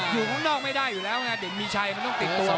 อยู่ข้างนอกไม่ได้อยู่แล้วไงเด็กมีชัยมันต้องติดตัว